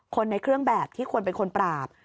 ในเครื่องแบบที่ควรเป็นคนปราบ